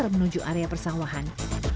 menuju area persawahan